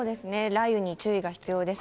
雷雨に注意が必要です。